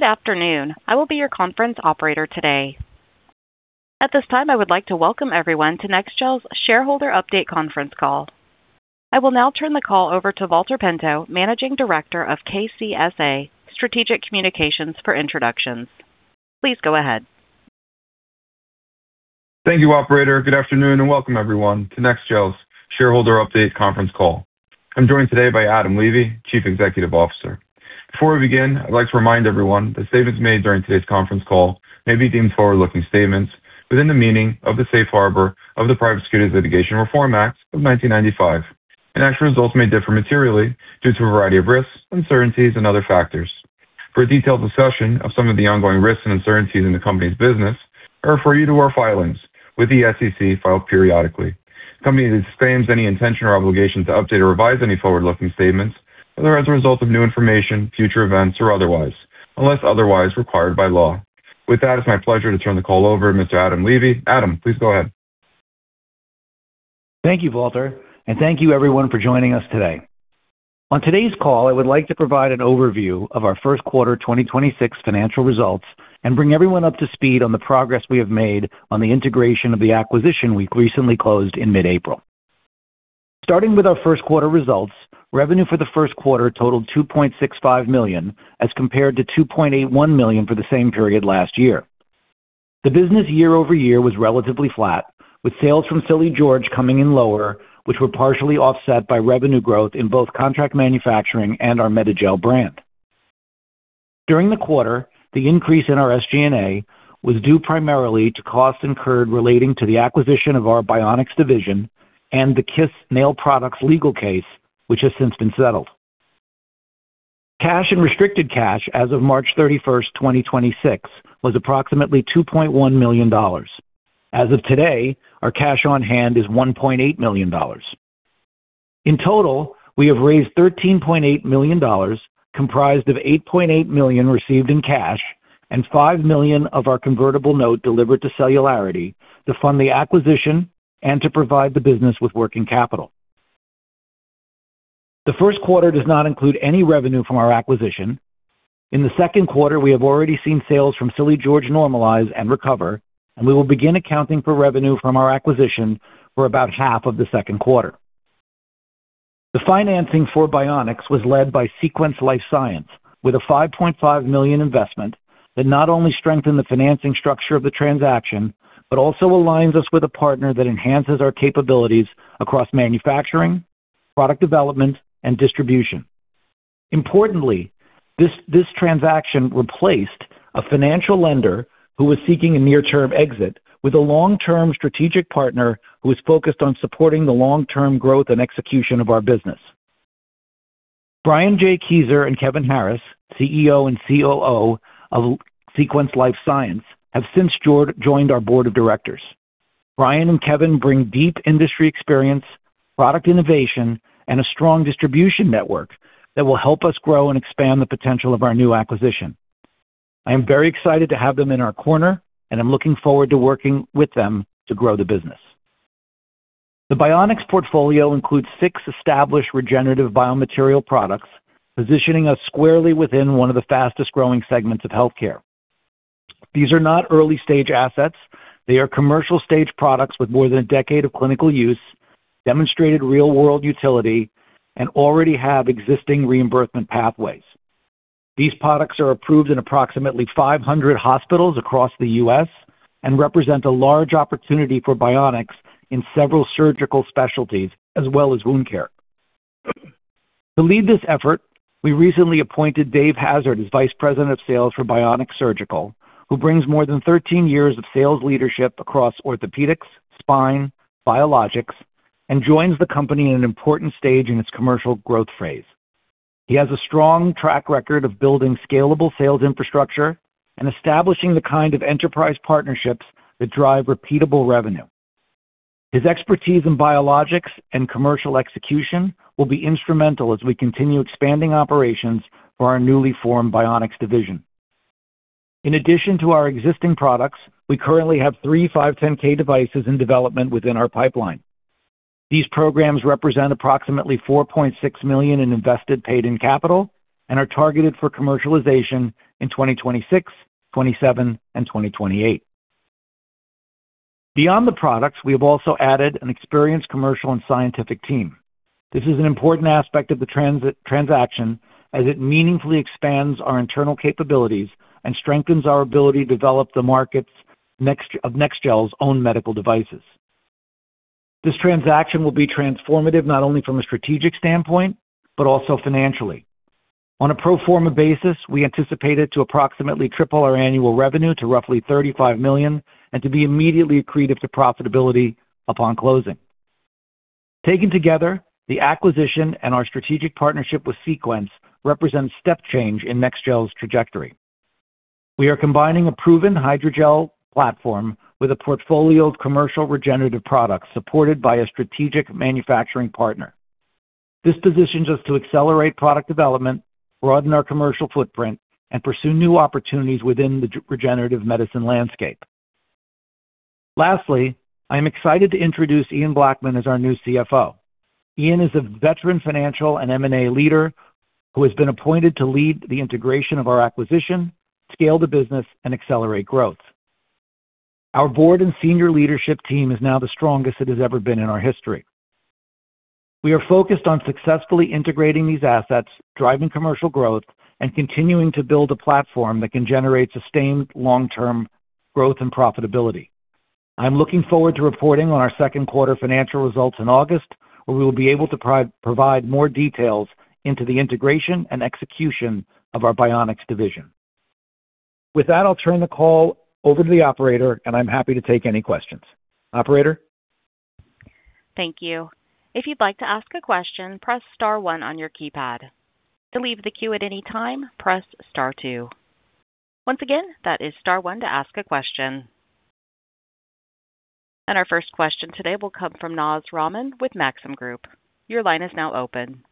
Good afternoon. I will be your conference operator today. At this time, I would like to welcome everyone to NEXGEL's Shareholder Update conference call. I will now turn the call over to Valter Pinto, Managing Director of KCSA Strategic Communications for introductions. Please go ahead. Thank you, operator. Good afternoon, and welcome everyone to NEXGEL's Shareholder Update conference call. I'm joined today by Adam Levy, Chief Executive Officer. Before we begin, I'd like to remind everyone that statements made during today's conference call may be deemed forward-looking statements within the meaning of the safe harbor of the Private Securities Litigation Reform Act of 1995, and actual results may differ materially due to a variety of risks, uncertainties and other factors. For a detailed discussion of some of the ongoing risks and uncertainties in the company's business, I refer you to our filings with the SEC filed periodically. Company disclaims any intention or obligation to update or revise any forward-looking statements whether as a result of new information, future events or otherwise, unless otherwise required by law. With that, it's my pleasure to turn the call over to Mr. Adam Levy. Adam, please go ahead. Thank you, Valter, and thank you everyone for joining us today. On today's call, I would like to provide an overview of our first quarter 2026 financial results and bring everyone up to speed on the progress we have made on the integration of the acquisition we recently closed in mid-April. Starting with our first quarter results, revenue for the first quarter totaled $2.65 million as compared to $2.81 million for the same period last year. The business year-over-year was relatively flat, with sales from Silly George coming in lower, which were partially offset by revenue growth in both contract manufacturing and our MEDAGEL brand. During the quarter, the increase in our SG&A was due primarily to costs incurred relating to the acquisition of our BioNX division and the KISS Nail Products legal case, which has since been settled. Cash and restricted cash as of March 31st, 2026 was approximately $2.1 million. As of today, our cash on hand is $1.8 million. In total, we have raised $13.8 million, comprised of $8.8 million received in cash and $5 million of our convertible note delivered to Celularity to fund the acquisition and to provide the business with working capital. The first quarter does not include any revenue from our acquisition. In the second quarter, we have already seen sales from Silly George normalize and recover, and we will begin accounting for revenue from our acquisition for about half of the second quarter. The financing for BioNX was led by Sequence LifeScience, with a $5.5 million investment that not only strengthened the financing structure of the transaction, but also aligns us with a partner that enhances our capabilities across manufacturing, product development and distribution. Importantly, this transaction replaced a financial lender who was seeking a near-term exit with a long-term strategic partner who is focused on supporting the long-term growth and execution of our business. Brian J. Keefer and Kevin Harris, CEO and COO of Sequence LifeScience, have since joined our board of directors. Brian and Kevin bring deep industry experience, product innovation and a strong distribution network that will help us grow and expand the potential of our new acquisition. I am very excited to have them in our corner, and I'm looking forward to working with them to grow the business. The BioNX portfolio includes six established regenerative biomaterial products, positioning us squarely within one of the fastest-growing segments of healthcare. These are not early-stage assets. They are commercial-stage products with more than a decade of clinical use, demonstrated real-world utility and already have existing reimbursement pathways. These products are approved in approximately 500 hospitals across the U.S. and represent a large opportunity for BioNX in several surgical specialties as well as wound care. To lead this effort, we recently appointed Dave Hazard as Vice President of Sales for BioNX Surgical, who brings more than 13 years of sales leadership across orthopedics, spine, biologics, and joins the company in an important stage in its commercial growth phase. He has a strong track record of building scalable sales infrastructure and establishing the kind of enterprise partnerships that drive repeatable revenue. His expertise in biologics and commercial execution will be instrumental as we continue expanding operations for our newly formed BioNX division. In addition to our existing products, we currently have three 510(k) devices in development within our pipeline. These programs represent approximately $4.6 million in invested paid-in capital and are targeted for commercialization in 2026, 2027, and 2028. Beyond the products, we have also added an experienced commercial and scientific team. This is an important aspect of the transaction as it meaningfully expands our internal capabilities and strengthens our ability to develop the markets of NEXGEL's own medical devices. This transaction will be transformative not only from a strategic standpoint, but also financially. On a pro forma basis, we anticipate it to approximately triple our annual revenue to roughly $35 million and to be immediately accretive to profitability upon closing. Taken together, the acquisition and our strategic partnership with Sequence represents step change in NEXGEL's trajectory. We are combining a proven hydrogel platform with a portfolio of commercial regenerative products supported by a strategic manufacturing partner. This positions us to accelerate product development, broaden our commercial footprint and pursue new opportunities within the regenerative medicine landscape. I'm excited to introduce Ian Blackman as our new CFO. Ian is a veteran financial and M&A leader who has been appointed to lead the integration of our acquisition, scale the business, and accelerate growth. Our Board and Senior Leadership team is now the strongest it has ever been in our history. We are focused on successfully integrating these assets, driving commercial growth, and continuing to build a platform that can generate sustained long-term growth and profitability. I'm looking forward to reporting on our second quarter financial results in August, where we will be able to provide more details into the integration and execution of our BioNX division. With that, I'll turn the call over to the operator, and I'm happy to take any questions. Operator? Thank you. If you'd like to ask a question, press star one on your keypad. To leave the queue at any time, press star two. Once again, that is star one to ask a question. Our first question today will come from Naz Rahman with Maxim Group. Your line is now open.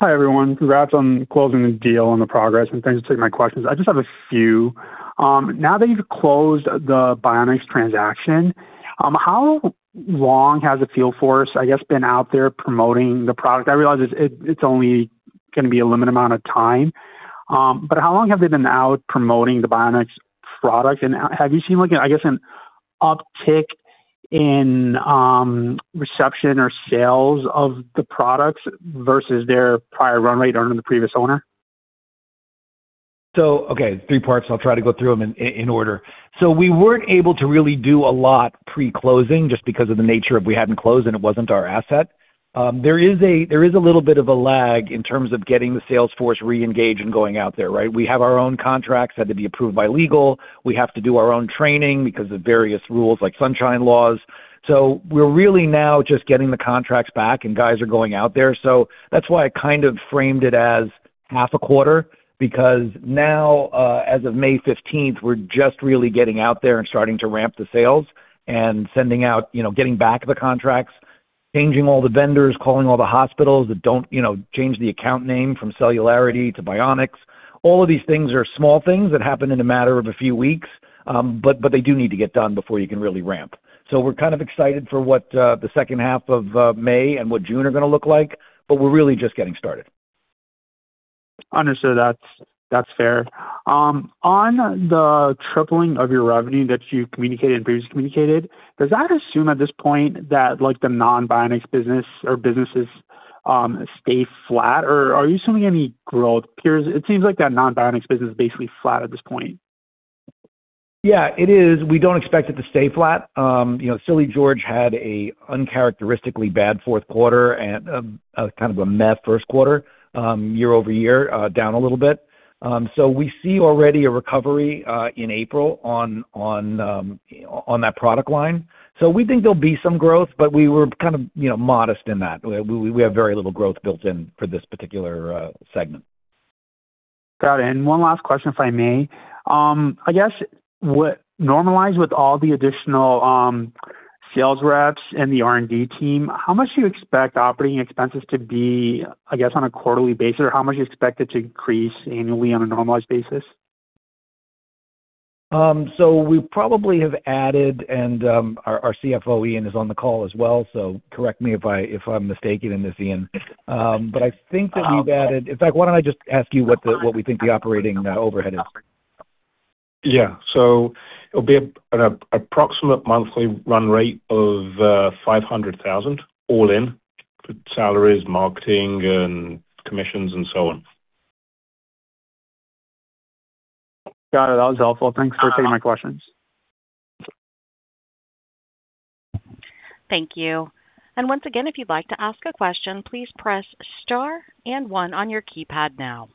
Hi, everyone. Congrats on closing the deal and the progress, Thanks for taking my questions. I just have a few. Now that you've closed the BioNX transaction, how long has the field force, I guess, been out there promoting the product? I realize it's only gonna be a limited amount of time. How long have they been out promoting the BioNX product? Have you seen, like, I guess, an uptick in reception or sales of the products versus their prior run rate under the previous owner? Okay, three parts. I'll try to go through them in order. We weren't able to really do a lot pre-closing just because of the nature of we hadn't closed and it wasn't our asset. There is a little bit of a lag in terms of getting the sales force re-engaged and going out there, right? We have our own contracts, had to be approved by legal. We have to do our own training because of various rules like sunshine laws. We're really now just getting the contracts back and guys are going out there. That's why I kind of framed it as half a quarter, because now, as of May 15th, we're just really getting out there and starting to ramp the sales and sending out, you know, getting back the contracts, changing all the vendors, calling all the hospitals that don't, you know, change the account name from Celularity to BioNX. All of these things are small things that happen in a matter of a few weeks, but they do need to get done before you can really ramp. We're kind of excited for what, the second half of May and what June are gonna look like, but we're really just getting started. Understood. That's fair. On the tripling of your revenue that you communicated and previously communicated, does that assume at this point that, like, the non-BioNX business or businesses stay flat? Are you showing any growth peers? It seems like that non-BioNX business is basically flat at this point. Yeah. It is. We don't expect it to stay flat. you know, Silly George had a uncharacteristically bad fourth quarter and a kind of a meh first quarter year-over-year, down a little bit. We see already a recovery in April on that product line. We think there'll be some growth, but we were kind of, you know, modest in that. We have very little growth built in for this particular segment. Got it. One last question, if I may. I guess normalized with all the additional sales reps and the R&D team, how much do you expect operating expenses to be, I guess, on a quarterly basis? Or how much do you expect it to increase annually on a normalized basis? We probably have added and, our CFO, Ian, is on the call as well. Correct me if I'm mistaken in this, Ian. I think that we've added. In fact, why don't I just ask you what we think the operating overhead is? Yeah. It'll be an approximate monthly run-rate of $500,000 all in for salaries, marketing and commissions and so on. Got it. That was helpful. Thanks for taking my questions. Thank you. Once again, if you'd like to ask a question, please press star and one on your keypad now.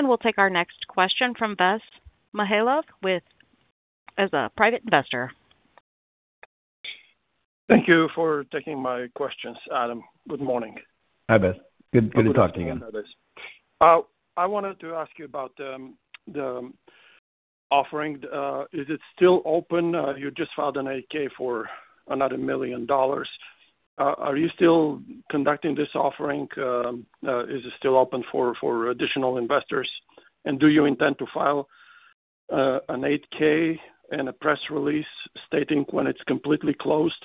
We'll take our next question from Bess Mihailov as a private investor. Thank you for taking my questions, Adam. Good morning. Hi, [Bess]. Good to talk to you. [inaudible] I wanted to ask you about the offering. Is it still open? You just filed an 8-K for another million dollars. Are you still conducting this offering? Is it still open for additional investors? Do you intend to file an 8-K and a press release stating when it's completely closed?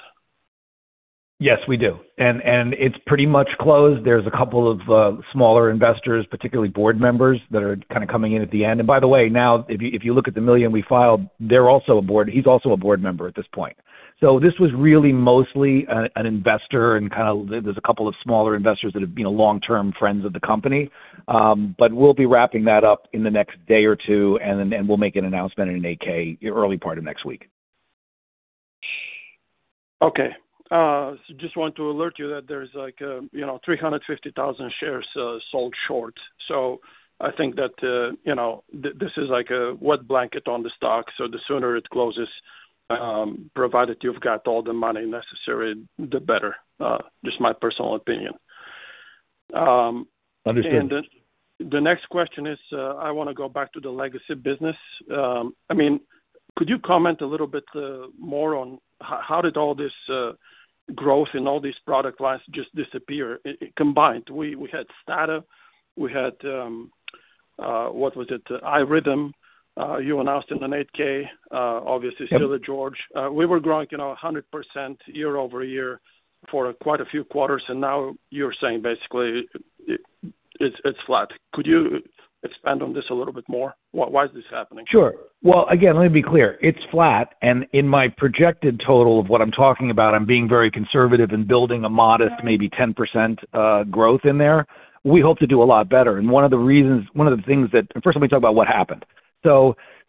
Yes, we do. It's pretty much closed. There's a couple of smaller investors, particularly Board Members, that are kind of coming in at the end. By the way, now if you look at the million we filed, they're also a Board he's also a Board Member at this point. This was really mostly an investor and there's a couple of smaller investors that have been long-term friends of the company. We'll be wrapping that up in the next day or two, and then we'll make an announcement in an 8-K early part of next week. Okay. Just want to alert you that there's like, you know, 350,000 shares sold short. I think that, you know, this is like a wet blanket on the stock, so the sooner it closes, provided you've got all the money necessary, the better. Just my personal opinion. Understood. The next question is, I wanna go back to the legacy business. I mean, could you comment a little bit more on how did all this growth in all these product lines just disappear combined? We had STADA, we had, what was it? iRhythm, you announced in an 8-K, obviously Silly George. We were growing, you know, 100% year-over-year for quite a few quarters, and now you're saying basically it's flat. Could you expand on this a little bit more? Why is this happening? Sure. Well, again, let me be clear. It's flat, and in my projected total of what I'm talking about, I'm being very conservative in building a modest, maybe 10% growth in there. We hope to do a lot better. First, let me talk about what happened.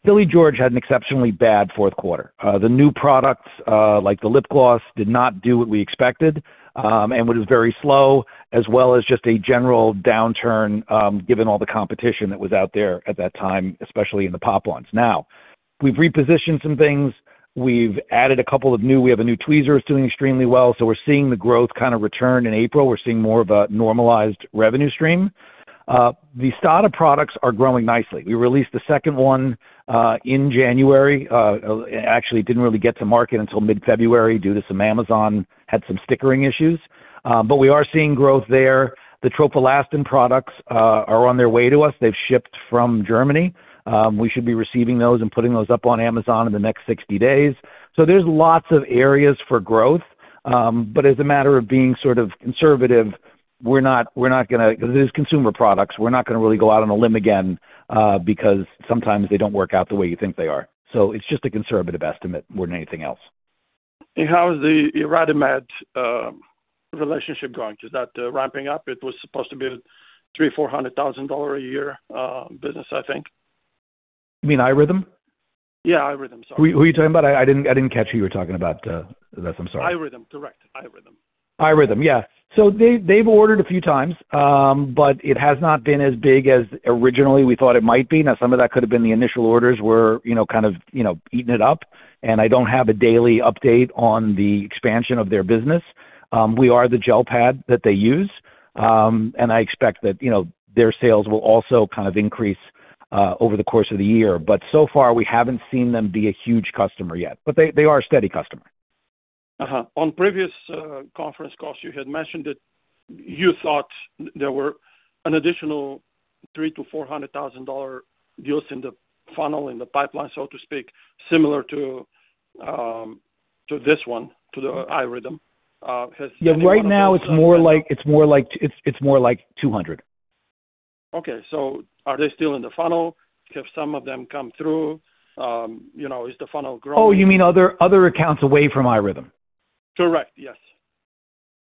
Silly George had an exceptionally bad fourth quarter. The new products, like the lip gloss did not do what we expected, and it was very slow, as well as just a general downturn, given all the competition that was out there at that time, especially in the pop lines. We've repositioned some things. We have a new tweezers doing extremely well, so we're seeing the growth kinda return in April. We're seeing more of a normalized revenue stream. The STADA products are growing nicely. We released the second one in January. Actually, it didn't really get to market until mid-February due to some Amazon had some stickering issues. We are seeing growth there. The Trofolastin products are on their way to us. They've shipped from Germany. We should be receiving those and putting those up on Amazon in the next 60 days. There's lots of areas for growth. As a matter of being sort of conservative, we're not, we're not gonna 'cause these are consumer products, we're not gonna really go out on a limb again because sometimes they don't work out the way you think they are. It's just a conservative estimate more than anything else. How is the iRhythm relationship going? Is that ramping-up? It was supposed to be $300,000-$400,000 a year business, I think. You mean iRhythm? Yeah, iRhythm. Sorry. Who are you talking about? I didn't catch who you were talking about, Bess. I'm sorry. iRhythm. Correct. iRhythm. iRhythm. Yeah. They've ordered a few times, but it has not been as big as originally we thought it might be. Now, some of that could have been the initial orders were, you know, kind of eaten it up. I don't have a daily update on the expansion of their business. We are the gel pad that they use. I expect that, you know, their sales will also kind of increase over the course of the year. So far, we haven't seen them be a huge customer yet. They are a steady customer. On previous conference calls, you had mentioned that you thought there were an additional $300,000-$400,000 deals in the funnel, in the pipeline, so to speak, similar to this one, to the iRhythm. Has any one of those? Yeah. Right now it's more like $200,000. Okay. Are they still in the funnel? Have some of them come through? You know, is the funnel growing? Oh, you mean other accounts away from iRhythm? Correct. Yes.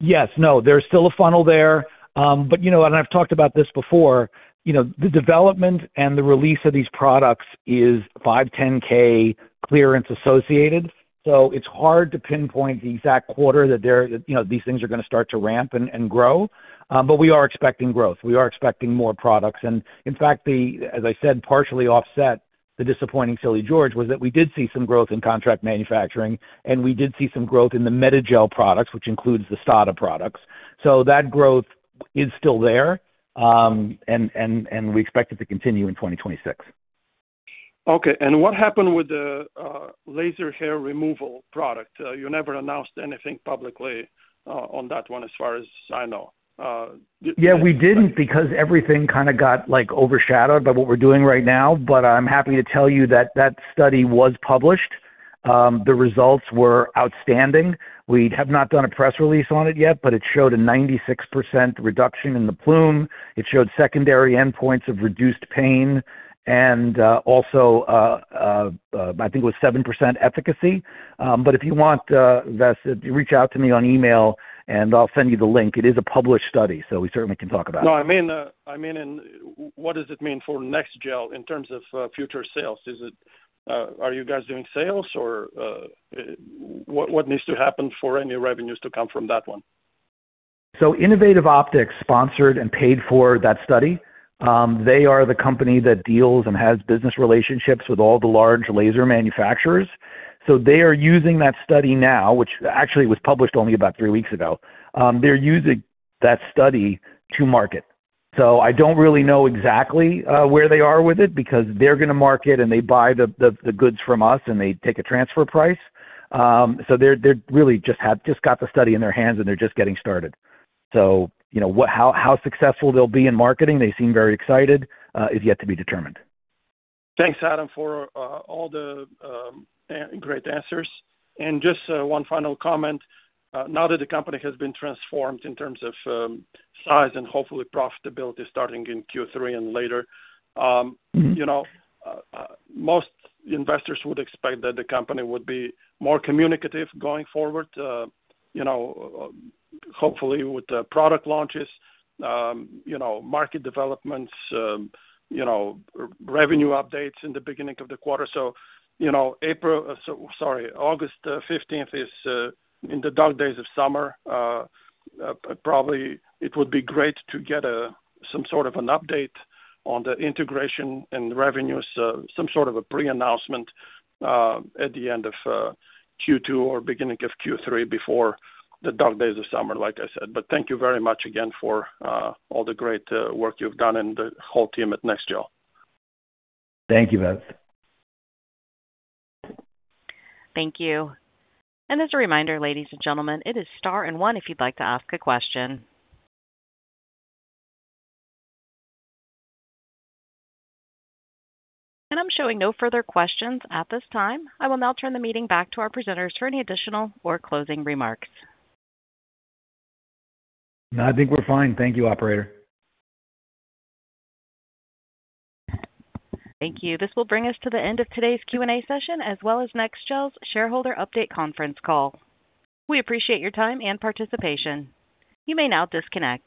Yes. No, there's still a funnel there. But you know, I've talked about this before, you know, the development and the release of these products is 510(k) clearance associated. It's hard to pinpoint the exact quarter that they're, you know, these things are gonna start to ramp and grow. We are expecting growth. We are expecting more products. In fact, the as I said, partially offset the disappointing Silly George was that we did see some growth in contract manufacturing, and we did see some growth in the MEDAGEL products, which includes the STADA products. That growth is still there, and we expect it to continue in 2026. Okay. What happened with the laser hair removal product? You never announced anything publicly, on that one, as far as I know. Yeah, we didn't because everything kinda got, like, overshadowed by what we're doing right now. I'm happy to tell you that that study was published. The results were outstanding. We have not done a press release on it yet, but it showed a 96% reduction in the plume. It showed secondary endpoints of reduced pain and also, I think it was 7% efficacy. If you want, Bess, reach out to me on email and I'll send you the link. It is a published study, we certainly can talk about it. No, I mean in what does it mean for NEXGEL in terms of future sales? Is it, are you guys doing sales or what needs to happen for any revenues to come from that one? Innovative Optics sponsored and paid for that study. They are the company that deals and has business relationships with all the large laser manufacturers. They are using that study now, which actually was published only about three weeks ago. They're using that study to market. I don't really know exactly where they are with it because they're gonna market and they buy the goods from us and they take a transfer price. They're really just got the study in their hands, and they're just getting started. You know what, how successful they'll be in marketing, they seem very excited, is yet to be determined. Thanks, Adam, for all the great answers. Just one final comment. Now that the company has been transformed in terms of size and hopefully profitability starting in Q3 and later, you know, most investors would expect that the company would be more communicative going forward, you know, hopefully with the product launches, you know, market developments, you know, revenue updates in the beginning of the quarter. You know, April, sorry, August 15th is in the dark days of summer. Probably it would be great to get some sort of an update on the integration and revenues, some sort of a pre-announcement at the end of Q2 or beginning of Q3 before the dark days of summer, like I said. Thank you very much again for all the great work you've done and the whole team at NEXGEL. Thank you, Bess. Thank you. As a reminder, ladies and gentlemen, it is star and one if you'd like to ask a question. I'm showing no further questions at this time. I will now turn the meeting back to our presenters for any additional or closing remarks. No, I think we're fine. Thank you, operator. Thank you. This will bring us to the end of today's Q&A session as well as NEXGEL's shareholder update conference call. We appreciate your time and participation. You may now disconnect.